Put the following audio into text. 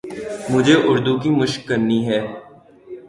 مجھے اردو کی مَشق کرنی چاہیے